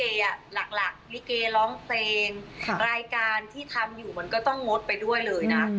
หลักลิเกร้องเพลงรายการที่ทำอยู่มันก็ต้องงดไปด้วยเลยนะ